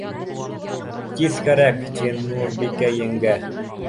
Тиҙ кәрәк, ти Нурбикә еңгә